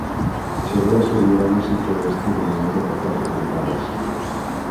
Chegou a ser un gran éxito e estivo no aire por catro tempadas.